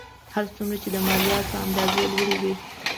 هر څومره چې د مالیاتو اندازه لوړه وي